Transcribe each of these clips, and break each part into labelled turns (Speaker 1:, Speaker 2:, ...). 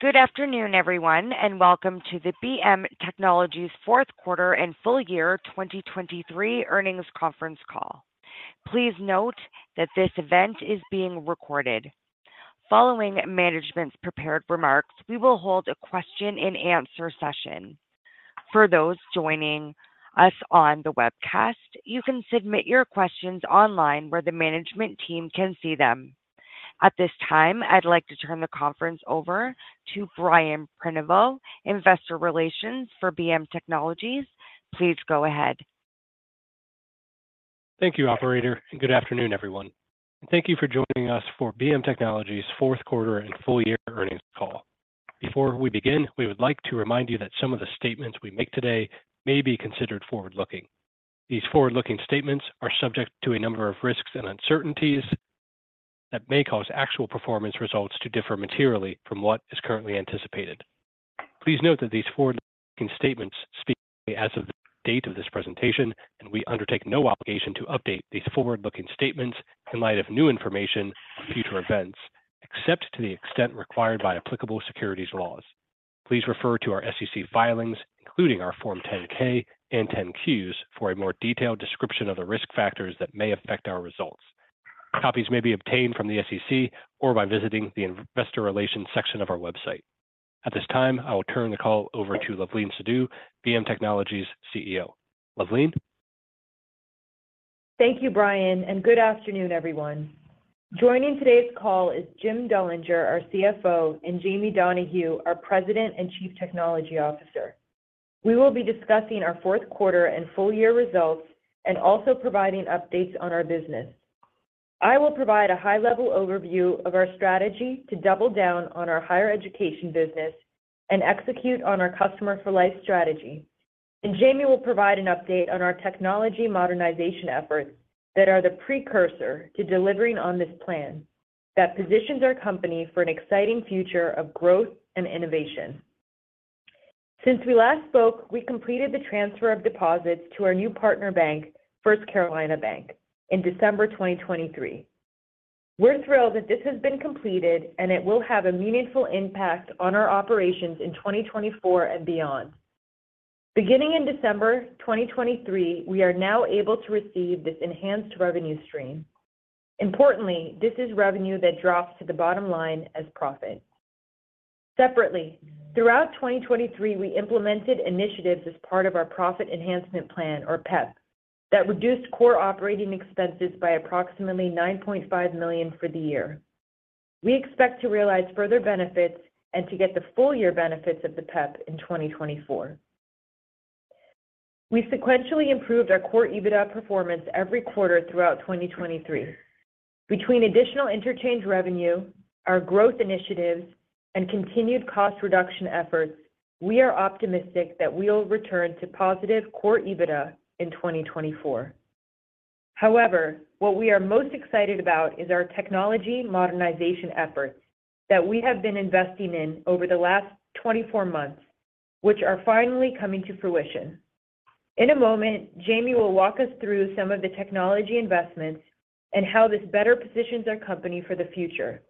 Speaker 1: Good afternoon, everyone, and welcome to the BM Technologies' fourth quarter and full year 2023 earnings conference call. Please note that this event is being recorded. Following management's prepared remarks, we will hold a question-and-answer session. For those joining us on the webcast, you can submit your questions online where the management team can see them. At this time, I'd like to turn the conference over to Brian Prenoveau, Investor Relations for BM Technologies. Please go ahead.
Speaker 2: Thank you, operator, and good afternoon, everyone. Thank you for joining us for BM Technologies' fourth quarter and full year earnings call. Before we begin, we would like to remind you that some of the statements we make today may be considered forward-looking. These forward-looking statements are subject to a number of risks and uncertainties that may cause actual performance results to differ materially from what is currently anticipated. Please note that these forward-looking statements speak only as of the date of this presentation, and we undertake no obligation to update these forward-looking statements in light of new information or future events, except to the extent required by applicable securities laws. Please refer to our SEC filings, including our Form 10-K and 10-Qs, for a more detailed description of the risk factors that may affect our results. Copies may be obtained from the SEC or by visiting the Investor Relations section of our website. At this time, I will turn the call over to Luvleen Sidhu, BM Technologies' CEO. Luvleen?
Speaker 3: Thank you, Brian, and good afternoon, everyone. Joining today's call is Jim Dullinger, our CFO, and Jamie Donahue, our President and Chief Technology Officer. We will be discussing our fourth quarter and full year results and also providing updates on our business. I will provide a high-level overview of our strategy to double down on our higher education business and execute on our customer-for-life strategy, and Jamie will provide an update on our technology modernization efforts that are the precursor to delivering on this plan that positions our company for an exciting future of growth and innovation. Since we last spoke, we completed the transfer of deposits to our new partner bank, First Carolina Bank, in December 2023. We're thrilled that this has been completed and it will have a meaningful impact on our operations in 2024 and beyond. Beginning in December 2023, we are now able to receive this enhanced revenue stream. Importantly, this is revenue that drops to the bottom line as profit. Separately, throughout 2023, we implemented initiatives as part of our Profit Enhancement Plan, or PEP, that reduced core operating expenses by approximately $9.5 million for the year. We expect to realize further benefits and to get the full year benefits of the PEP in 2024. We sequentially improved our core EBITDA performance every quarter throughout 2023. Between additional interchange revenue, our growth initiatives, and continued cost reduction efforts, we are optimistic that we'll return to positive core EBITDA in 2024. However, what we are most excited about is our technology modernization efforts that we have been investing in over the last 24 months, which are finally coming to fruition. In a moment, Jamie will walk us through some of the technology investments and how this better positions our company for the future,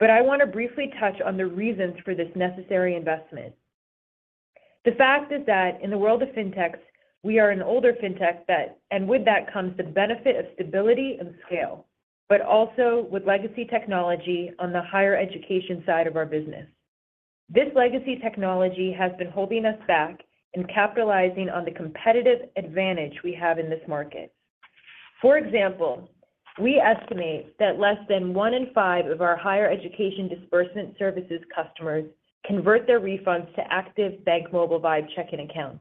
Speaker 3: but I want to briefly touch on the reasons for this necessary investment. The fact is that, in the world of fintechs, we are an older fintech and with that comes the benefit of stability and scale, but also with legacy technology on the higher education side of our business. This legacy technology has been holding us back and capitalizing on the competitive advantage we have in this market. For example, we estimate that less than one in five of our higher education disbursement services customers convert their refunds to active BankMobile Vibe checking accounts.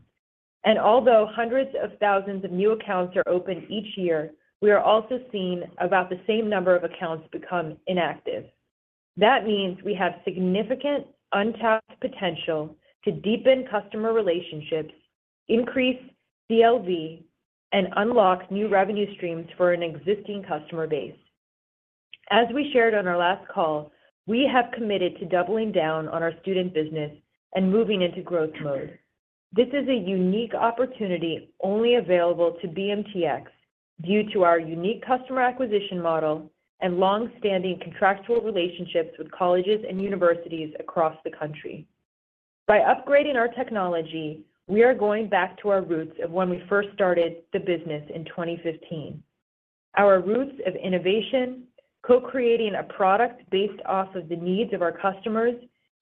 Speaker 3: Although hundreds of thousands of new accounts are opened each year, we are also seeing about the same number of accounts become inactive. That means we have significant untapped potential to deepen customer relationships, increase CLV, and unlock new revenue streams for an existing customer base. As we shared on our last call, we have committed to doubling down on our student business and moving into growth mode. This is a unique opportunity only available to BMTX due to our unique customer acquisition model and longstanding contractual relationships with colleges and universities across the country. By upgrading our technology, we are going back to our roots of when we first started the business in 2015. Our roots of innovation, co-creating a product based off of the needs of our customers,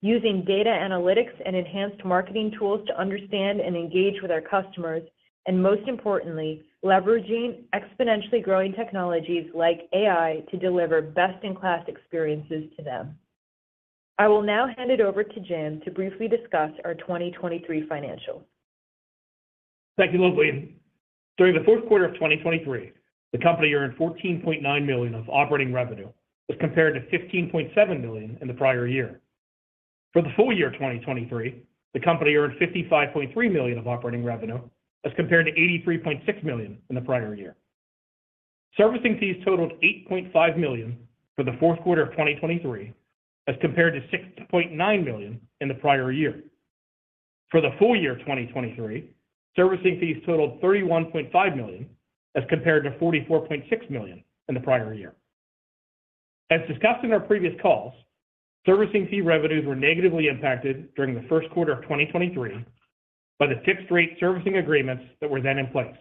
Speaker 3: using data analytics and enhanced marketing tools to understand and engage with our customers, and most importantly, leveraging exponentially growing technologies like AI to deliver best-in-class experiences to them. I will now hand it over to Jim to briefly discuss our 2023 financials.
Speaker 4: Thank you, Luvleen. During the fourth quarter of 2023, the company earned $14.9 million of operating revenue as compared to $15.7 million in the prior year. For the full year 2023, the company earned $55.3 million of operating revenue as compared to $83.6 million in the prior year. Servicing fees totaled $8.5 million for the fourth quarter of 2023 as compared to $6.9 million in the prior year. For the full year 2023, servicing fees totaled $31.5 million as compared to $44.6 million in the prior year. As discussed in our previous calls, servicing fee revenues were negatively impacted during the first quarter of 2023 by the fixed-rate servicing agreements that were then in place.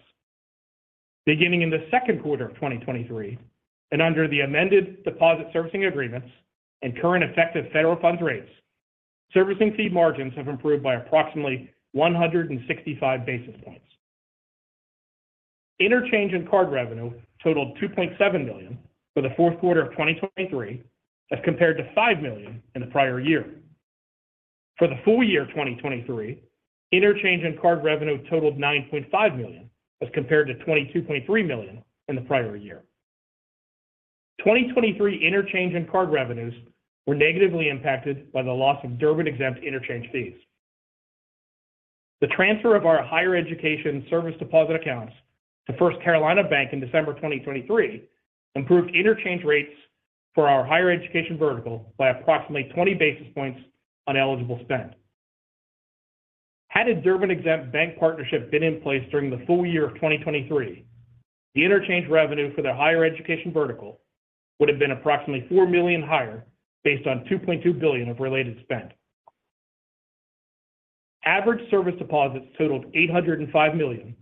Speaker 4: Beginning in the second quarter of 2023 and under the amended deposit servicing agreements and current effective federal funds rates, servicing fee margins have improved by approximately 165 basis points. Interchange and card revenue totaled $2.7 million for the fourth quarter of 2023 as compared to $5 million in the prior year. For the full year 2023, interchange and card revenue totaled $9.5 million as compared to $22.3 million in the prior year. 2023 interchange and card revenues were negatively impacted by the loss of Durbin-exempt interchange fees. The transfer of our higher education serviced deposit accounts to First Carolina Bank in December 2023 improved interchange rates for our higher education vertical by approximately 20 basis points on eligible spend. Had a Durbin-exempt bank partnership been in place during the full year of 2023, the interchange revenue for the higher education vertical would have been approximately $4 million higher based on $2.2 billion of related spend. Average serviced deposits totaled $805 million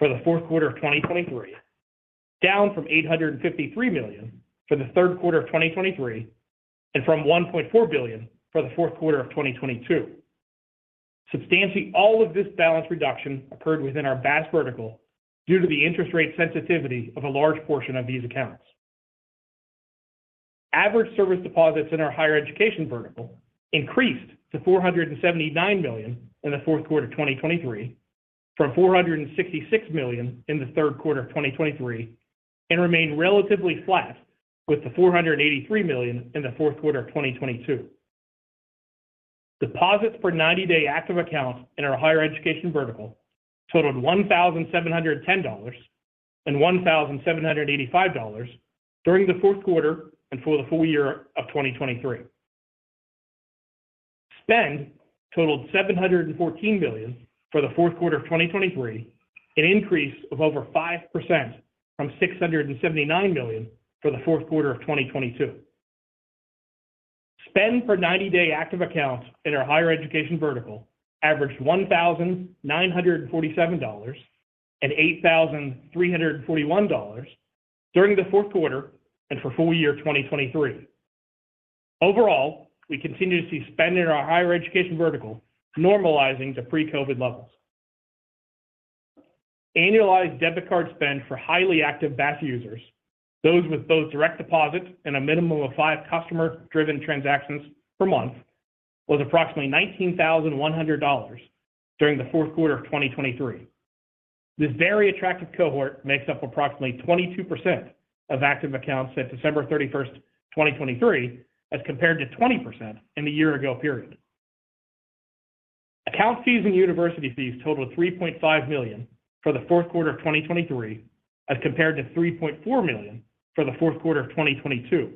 Speaker 4: for the fourth quarter of 2023, down from $853 million for the third quarter of 2023 and from $1.4 billion for the fourth quarter of 2022. Substantially all of this balance reduction occurred within our BaaS vertical due to the interest rate sensitivity of a large portion of these accounts. Average serviced deposits in our higher education vertical increased to $479 million in the fourth quarter of 2023 from $466 million in the third quarter of 2023 and remained relatively flat with the $483 million in the fourth quarter of 2022. Deposits per 90-day active account in our higher education vertical totaled $1,710 and $1,785 during the fourth quarter and for the full year of 2023. Spend totaled $714 million for the fourth quarter of 2023, an increase of over 5% from $679 million for the fourth quarter of 2022. Spend per 90-day active account in our higher education vertical averaged $1,947 and $8,341 during the fourth quarter and for full year 2023. Overall, we continue to see spend in our higher education vertical normalizing to pre-COVID levels. Annualized debit card spend for highly active BaaS users, those with both direct deposit and a minimum of five customer-driven transactions per month, was approximately $19,100 during the fourth quarter of 2023. This very attractive cohort makes up approximately 22% of active accounts since December 31st, 2023, as compared to 20% in the year-ago period. Account fees and university fees totaled $3.5 million for the fourth quarter of 2023 as compared to $3.4 million for the fourth quarter of 2022.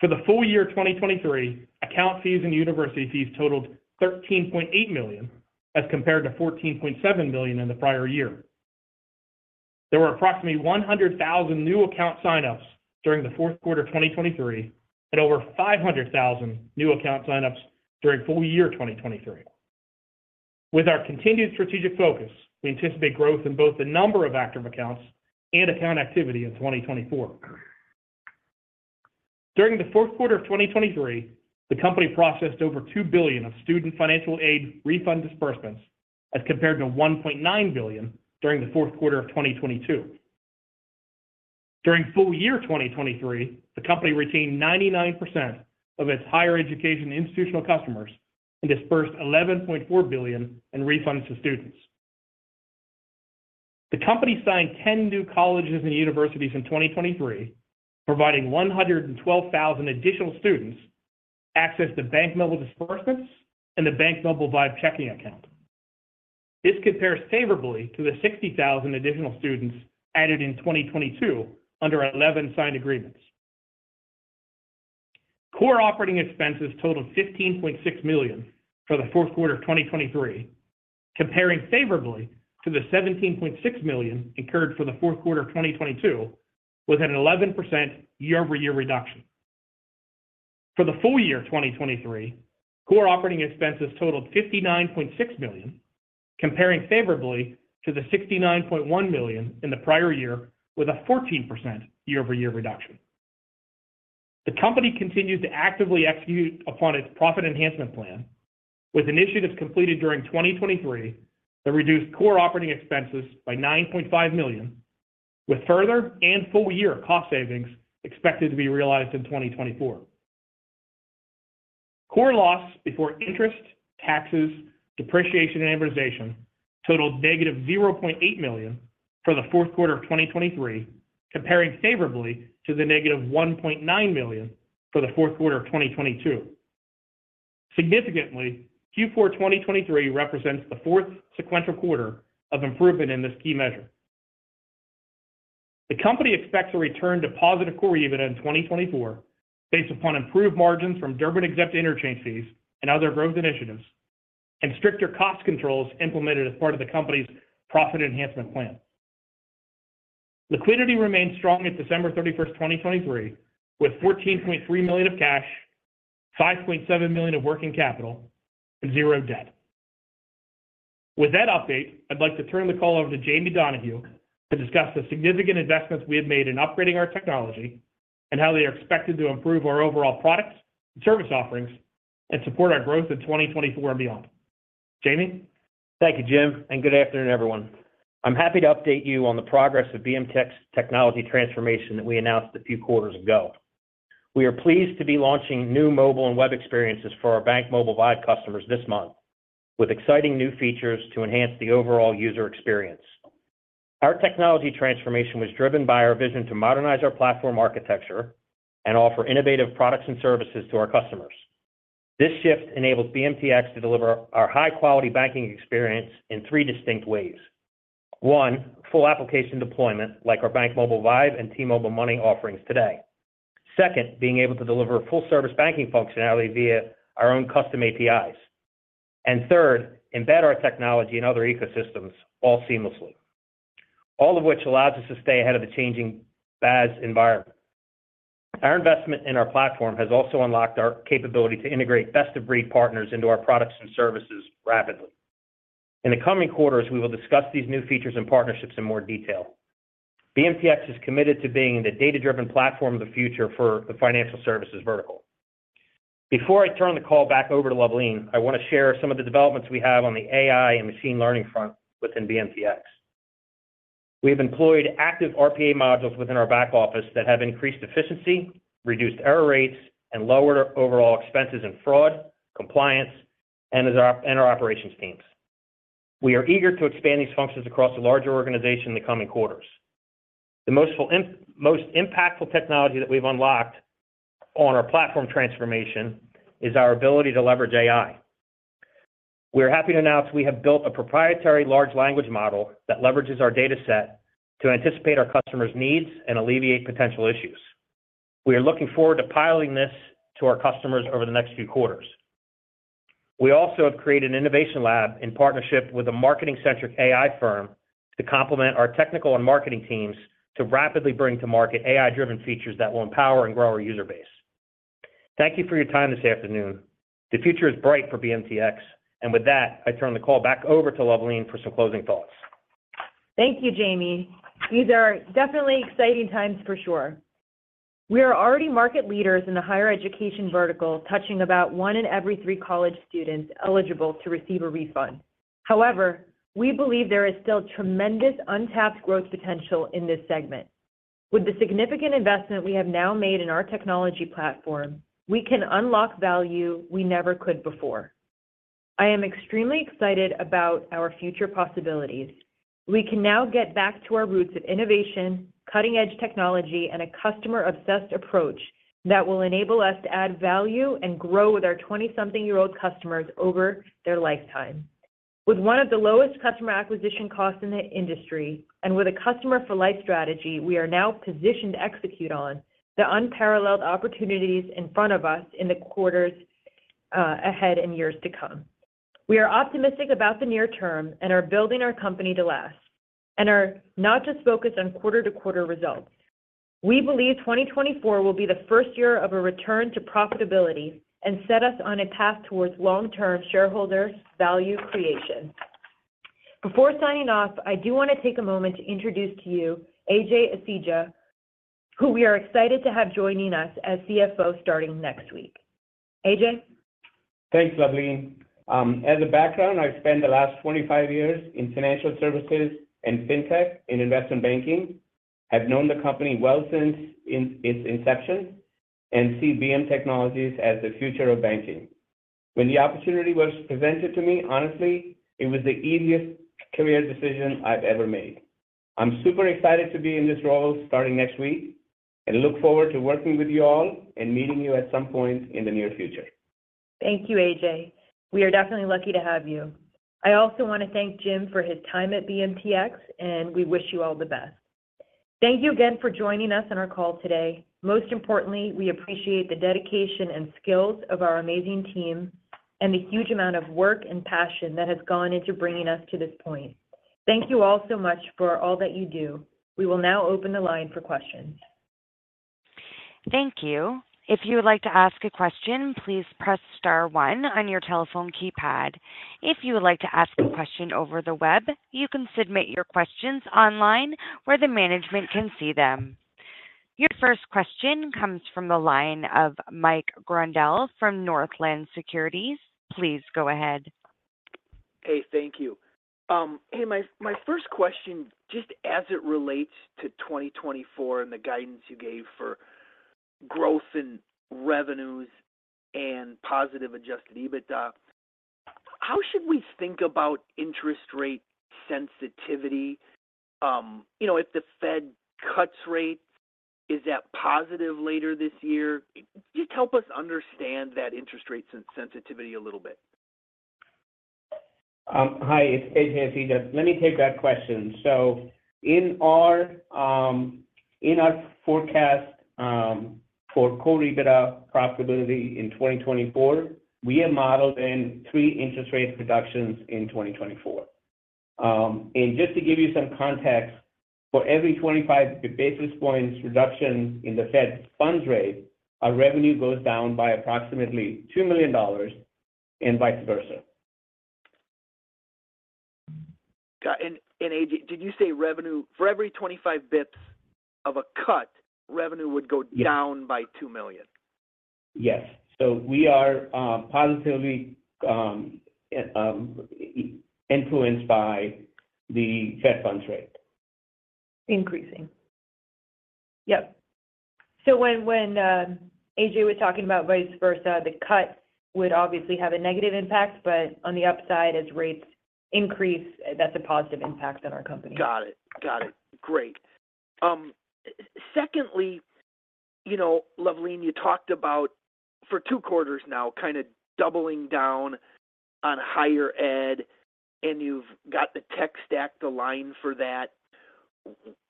Speaker 4: For the full year 2023, account fees and university fees totaled $13.8 million as compared to $14.7 million in the prior year. There were approximately 100,000 new account sign-ups during the fourth quarter of 2023 and over 500,000 new account sign-ups during full year 2023. With our continued strategic focus, we anticipate growth in both the number of active accounts and account activity in 2024. During the fourth quarter of 2023, the company processed over $2 billion of student financial aid refund disbursements as compared to $1.9 billion during the fourth quarter of 2022. During full year 2023, the company retained 99% of its higher education institutional customers and dispersed $11.4 billion in refunds to students. The company signed 10 new colleges and universities in 2023, providing 112,000 additional students access to BankMobile Disbursements and the BankMobile Vibe checking account. This compares favorably to the 60,000 additional students added in 2022 under 11 signed agreements. Core operating expenses totaled $15.6 million for the fourth quarter of 2023, comparing favorably to the $17.6 million incurred for the fourth quarter of 2022 with an 11% year-over-year reduction. For the full year 2023, core operating expenses totaled $59.6 million, comparing favorably to the $69.1 million in the prior year with a 14% year-over-year reduction. The company continues to actively execute upon its profit enhancement plan, with initiatives completed during 2023 that reduced core operating expenses by $9.5 million, with further and full-year cost savings expected to be realized in 2024. Core loss before interest, taxes, depreciation, and amortization totaled -$0.8 million for the fourth quarter of 2023, comparing favorably to the -$1.9 million for the fourth quarter of 2022. Significantly, Q4 2023 represents the fourth sequential quarter of improvement in this key measure. The company expects a return to positive core EBITDA in 2024 based upon improved margins from Durbin-exempt interchange fees and other growth initiatives and stricter cost controls implemented as part of the company's profit enhancement plan. Liquidity remained strong at December 31st, 2023, with $14.3 million of cash, $5.7 million of working capital, and 0 debt. With that update, I'd like to turn the call over to Jamie Donahue to discuss the significant investments we have made in upgrading our technology and how they are expected to improve our overall product and service offerings and support our growth in 2024 and beyond. Jamie?
Speaker 5: Thank you, Jim, and good afternoon, everyone. I'm happy to update you on the progress of BM Technologies' transformation that we announced a few quarters ago. We are pleased to be launching new mobile and web experiences for our BankMobile Vibe customers this month with exciting new features to enhance the overall user experience. Our technology transformation was driven by our vision to modernize our platform architecture and offer innovative products and services to our customers. This shift enables BMTX to deliver our high-quality banking experience in three distinct ways. One, full application deployment like our BankMobile Vibe and T-Mobile MONEY offerings today. Second, being able to deliver full-service banking functionality via our own custom APIs. And third, embed our technology in other ecosystems all seamlessly, all of which allows us to stay ahead of the changing BaaS environment. Our investment in our platform has also unlocked our capability to integrate best-of-breed partners into our products and services rapidly. In the coming quarters, we will discuss these new features and partnerships in more detail. BMTX is committed to being the data-driven platform of the future for the financial services vertical. Before I turn the call back over to Luvleen, I want to share some of the developments we have on the AI and machine learning front within BMTX. We have employed active RPA modules within our back office that have increased efficiency, reduced error rates, and lowered overall expenses in fraud, compliance, and our operations teams. We are eager to expand these functions across the larger organization in the coming quarters. The most impactful technology that we've unlocked on our platform transformation is our ability to leverage AI. We are happy to announce we have built a proprietary large language model that leverages our dataset to anticipate our customers' needs and alleviate potential issues. We are looking forward to piloting this to our customers over the next few quarters. We also have created an innovation lab in partnership with a marketing-centric AI firm to complement our technical and marketing teams to rapidly bring to market AI-driven features that will empower and grow our user base. Thank you for your time this afternoon. The future is bright for BMTX. With that, I turn the call back over to Luvleen for some closing thoughts.
Speaker 3: Thank you, Jamie. These are definitely exciting times for sure. We are already market leaders in the higher education vertical touching about one in every three college students eligible to receive a refund. However, we believe there is still tremendous untapped growth potential in this segment. With the significant investment we have now made in our technology platform, we can unlock value we never could before. I am extremely excited about our future possibilities. We can now get back to our roots of innovation, cutting-edge technology, and a customer-obsessed approach that will enable us to add value and grow with our 20-something-year-old customers over their lifetime. With one of the lowest customer acquisition costs in the industry and with a customer-for-life strategy we are now positioned to execute on, the unparalleled opportunities in front of us in the quarters ahead and years to come. We are optimistic about the near term and are building our company to last and are not just focused on quarter-to-quarter results. We believe 2024 will be the first year of a return to profitability and set us on a path towards long-term shareholder value creation. Before signing off, I do want to take a moment to introduce to you Ajay Asija, who we are excited to have joining us as CFO starting next week. Ajay?
Speaker 6: Thanks, Luvleen. As a background, I've spent the last 25 years in financial services and fintech in investment banking. I've known the company well since its inception and see BM Technologies as the future of banking. When the opportunity was presented to me, honestly, it was the easiest career decision I've ever made. I'm super excited to be in this role starting next week and look forward to working with you all and meeting you at some point in the near future.
Speaker 3: Thank you, Ajay. We are definitely lucky to have you. I also want to thank Jim for his time at BMTX, and we wish you all the best. Thank you again for joining us on our call today. Most importantly, we appreciate the dedication and skills of our amazing team and the huge amount of work and passion that has gone into bringing us to this point. Thank you all so much for all that you do. We will now open the line for questions.
Speaker 1: Thank you. If you would like to ask a question, please press star one on your telephone keypad. If you would like to ask a question over the web, you can submit your questions online where the management can see them. Your first question comes from the line of Mike Grondahl from Northland Securities. Please go ahead.
Speaker 7: Hey, thank you. Hey, my first question, just as it relates to 2024 and the guidance you gave for growth and revenues and positive Adjusted EBITDA, how should we think about interest rate sensitivity? If the Fed cuts rates, is that positive later this year? Just help us understand that interest rate sensitivity a little bit.
Speaker 6: Hi, it's Ajay Asija. Let me take that question. So in our forecast for Core EBITDA profitability in 2024, we have modeled in 3 interest rate reductions in 2024. And just to give you some context, for every 25 basis points reduction in the Fed funds rate, our revenue goes down by approximately $2 million and vice versa.
Speaker 7: Got it. And Ajay, did you say for every 25 basis points of a cut, revenue would go down by $2 million?
Speaker 6: Yes. So we are positively influenced by the Fed funds rate.
Speaker 3: Increasing. Yep. So when Ajay was talking about vice versa, the cut would obviously have a negative impact, but on the upside, as rates increase, that's a positive impact on our company.
Speaker 7: Got it. Got it. Great. Secondly, Luvleen, you talked about for 2 quarters now kind of doubling down on higher ed, and you've got the tech stack aligned for that.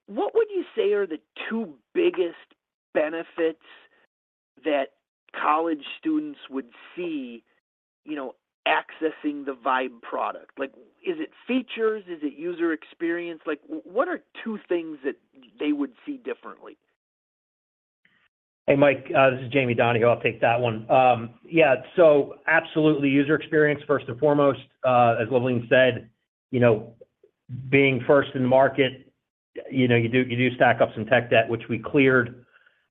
Speaker 7: What would you say are the 2 biggest benefits that college students would see accessing the Vibe product? Is it features? Is it user experience? What are 2 things that they would see differently?
Speaker 5: Hey, Mike, this is Jamie Donahue. I'll take that one. Yeah, so absolutely user experience first and foremost. As Luvleen said, being first in the market, you do stack up some tech debt, which we cleared.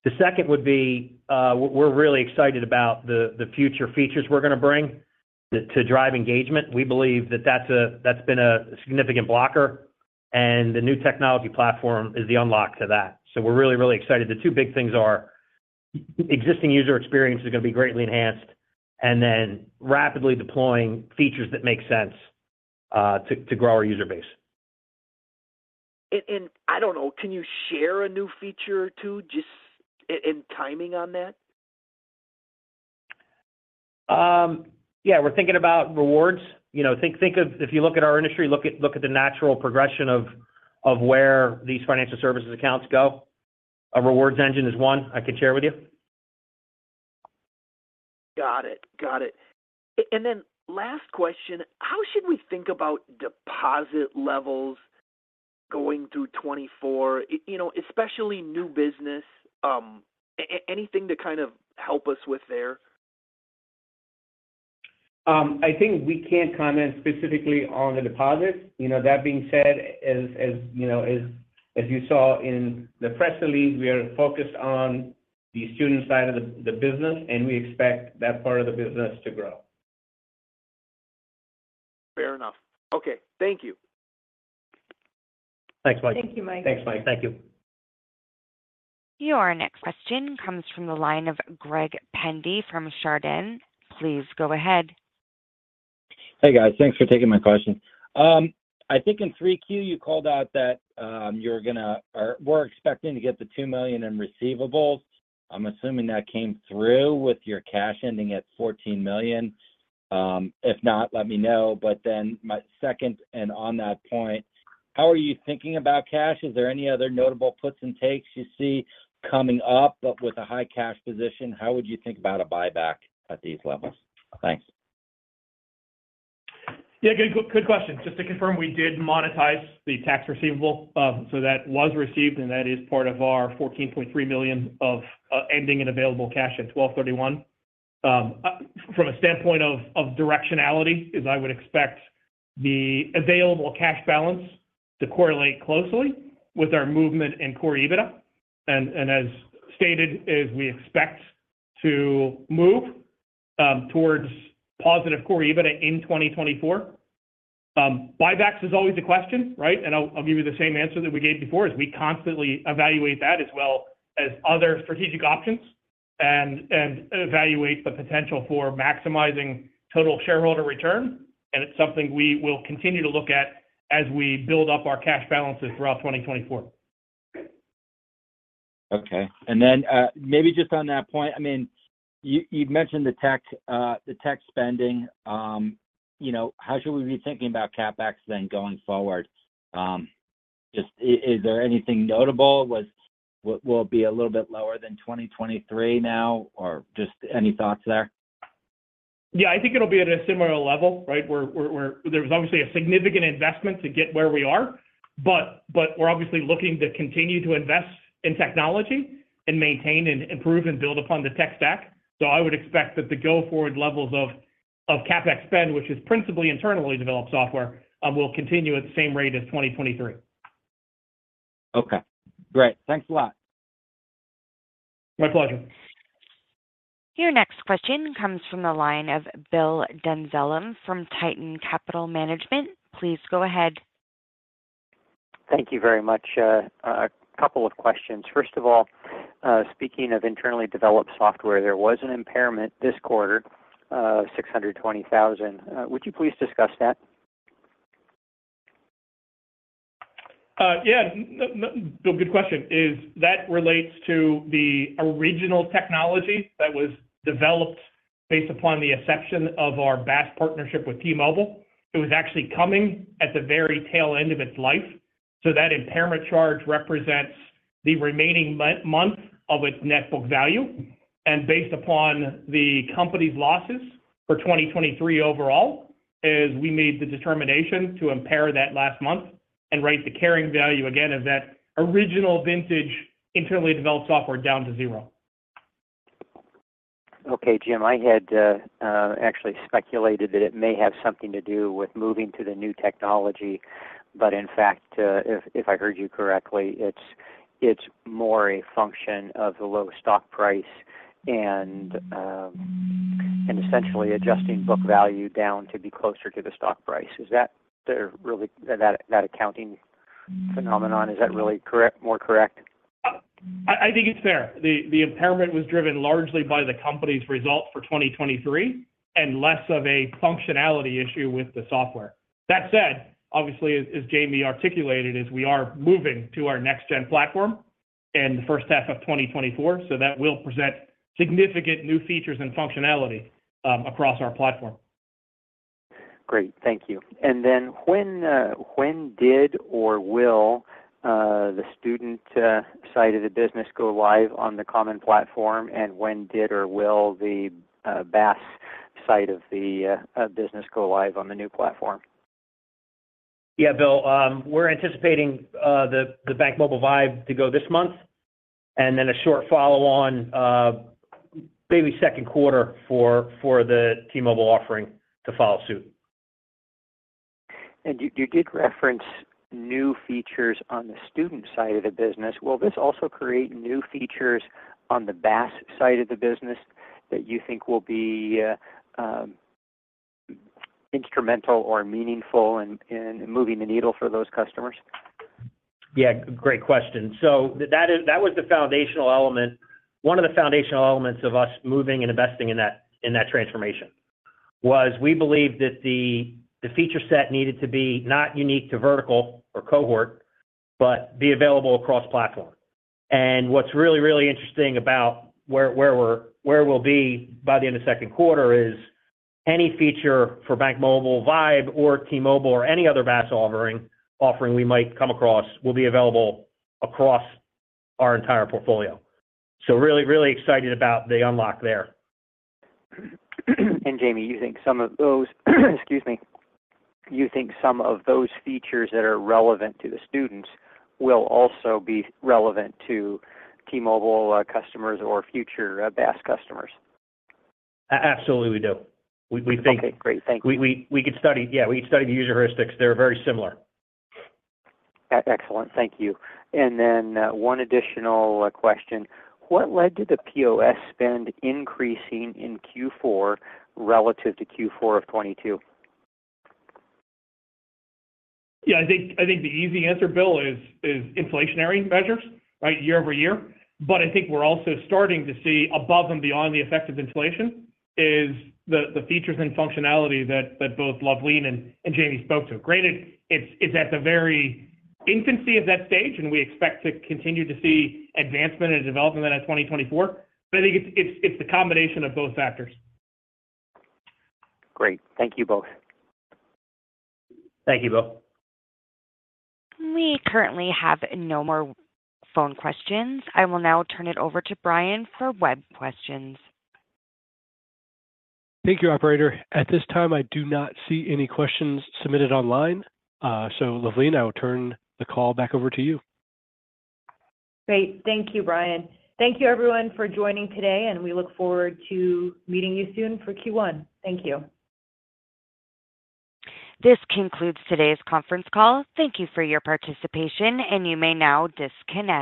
Speaker 5: The second would be we're really excited about the future features we're going to bring to drive engagement. We believe that that's been a significant blocker, and the new technology platform is the unlock to that. So we're really, really excited. The two big things are existing user experience is going to be greatly enhanced, and then rapidly deploying features that make sense to grow our user base.
Speaker 7: I don't know, can you share a new feature too just in timing on that?
Speaker 5: Yeah, we're thinking about rewards. Think of if you look at our industry, look at the natural progression of where these financial services accounts go. A rewards engine is one. I can share with you.
Speaker 7: Got it. Got it. And then last question, how should we think about deposit levels going through 2024, especially new business? Anything to kind of help us with there?
Speaker 6: I think we can't comment specifically on the deposits. That being said, as you saw in the press release, we are focused on the student side of the business, and we expect that part of the business to grow.
Speaker 7: Fair enough. Okay. Thank you.
Speaker 5: Thanks, Mike.
Speaker 3: Thank you, Mike.
Speaker 5: Thanks, Mike. Thank you.
Speaker 1: Your next question comes from the line of Greg Pendy from Chardan. Please go ahead.
Speaker 8: Hey, guys. Thanks for taking my question. I think in Q3, you called out that you were expecting to get the $2 million in receivables. I'm assuming that came through with your cash ending at $14 million. If not, let me know. But then, second, and on that point, how are you thinking about cash? Is there any other notable puts and takes you see coming up, but with a high cash position, how would you think about a buyback at these levels? Thanks.
Speaker 5: Yeah, good question. Just to confirm, we did monetize the tax receivable. So that was received, and that is part of our $14.3 million of ending in available cash at 12/31/2023. From a standpoint of directionality, I would expect the available cash balance to correlate closely with our movement in Core EBITDA. And as stated, we expect to move towards positive Core EBITDA in 2024. Buybacks is always a question, right? And I'll give you the same answer that we gave before, is we constantly evaluate that as well as other strategic options and evaluate the potential for maximizing total shareholder return. And it's something we will continue to look at as we build up our cash balances throughout 2024.
Speaker 8: Okay. And then maybe just on that point, I mean, you've mentioned the tech spending. How should we be thinking about CapEx then going forward? Is there anything notable? Will it be a little bit lower than 2023 now, or just any thoughts there?
Speaker 5: Yeah, I think it'll be at a similar level, right? There was obviously a significant investment to get where we are, but we're obviously looking to continue to invest in technology and maintain and improve and build upon the tech stack. So I would expect that the go-forward levels of CapEx spend, which is principally internally developed software, will continue at the same rate as 2023.
Speaker 8: Okay. Great. Thanks a lot.
Speaker 5: My pleasure.
Speaker 1: Your next question comes from the line of Bill Dezellem from Titan Capital Management. Please go ahead.
Speaker 9: Thank you very much. A couple of questions. First of all, speaking of internally developed software, there was an impairment this quarter of $620,000. Would you please discuss that?
Speaker 4: Yeah, Bill, good question. That relates to the original technology that was developed based upon the acceptance of our BaaS partnership with T-Mobile. It was actually coming at the very tail end of its life. So that impairment charge represents the remaining month of its net book value. And based upon the company's losses for 2023 overall, we made the determination to impair that last month and write the carrying value, again, of that original vintage internally developed software down to zero.
Speaker 8: Okay, Jim, I had actually speculated that it may have something to do with moving to the new technology. But in fact, if I heard you correctly, it's more a function of the low stock price and essentially adjusting book value down to be closer to the stock price. Is that really that accounting phenomenon? Is that really more correct?
Speaker 4: I think it's fair. The impairment was driven largely by the company's results for 2023 and less of a functionality issue with the software. That said, obviously, as Jamie articulated, we are moving to our next-gen platform in the first half of 2024. So that will present significant new features and functionality across our platform.
Speaker 9: Great. Thank you. And then when did or will the student side of the business go live on the common platform, and when did or will the BaaS side of the business go live on the new platform?
Speaker 5: Yeah, Bill, we're anticipating the BankMobile Vibe to go this month and then a short follow-on, maybe second quarter, for the T-Mobile offering to follow suit.
Speaker 9: You did reference new features on the student side of the business. Will this also create new features on the BaaS side of the business that you think will be instrumental or meaningful in moving the needle for those customers?
Speaker 5: Yeah, great question. So that was the foundational element. One of the foundational elements of us moving and investing in that transformation was we believed that the feature set needed to be not unique to vertical or cohort, but be available across platform. And what's really, really interesting about where we'll be by the end of second quarter is any feature for BankMobile Vibe or T-Mobile or any other BaaS offering we might come across will be available across our entire portfolio. So really, really excited about the unlock there.
Speaker 9: Jamie, you think some of those features that are relevant to the students will also be relevant to T-Mobile customers or future BaaS customers?
Speaker 5: Absolutely, we do. We think.
Speaker 9: Okay. Great. Thank you.
Speaker 5: Yeah, we could study the user heuristics. They're very similar.
Speaker 9: Excellent. Thank you. And then one additional question. What led to the POS spend increasing in Q4 relative to Q4 of 2022?
Speaker 10: Yeah, I think the easy answer, Bill, is inflationary measures, right, year-over-year. But I think we're also starting to see above and beyond the effect of inflation is the features and functionality that both Luvleen and Jamie spoke to. Granted, it's at the very infancy of that stage, and we expect to continue to see advancement and development then in 2024. But I think it's the combination of both factors.
Speaker 9: Great. Thank you both.
Speaker 5: Thank you, Bill.
Speaker 1: We currently have no more phone questions. I will now turn it over to Brian for web questions.
Speaker 2: Thank you, operator. At this time, I do not see any questions submitted online. Luvleen, I will turn the call back over to you.
Speaker 3: Great. Thank you, Brian. Thank you, everyone, for joining today, and we look forward to meeting you soon for Q1. Thank you.
Speaker 1: This concludes today's conference call. Thank you for your participation, and you may now disconnect.